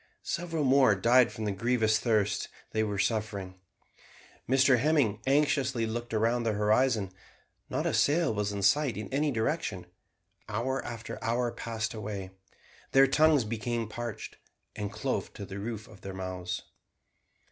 Several more died from the grievous thirst they were suffering. Mr Hemming anxiously looked round the horizon. Not a sail was in sight in any direction. Hour after hour passed away. Their tongues became parched, and clove to the roofs of their mouths.